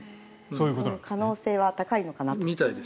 その可能性は高いのかなと。